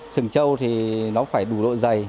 sừng trâu thì nó phải đủ độ dày